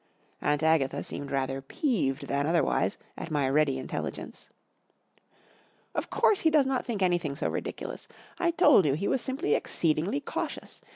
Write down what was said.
Aunt Agatha seemed rather peeved than otherwise at my ready intelligence. "'Of course, he does not think anything so ridiculous. I told you he was simply exceedingly cautious.